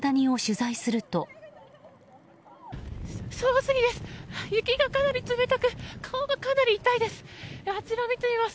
正午過ぎです。